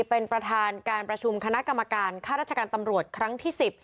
เป็นประธานการประชุมคณะกรรมการค่าราชการตำรวจครั้งที่๑๐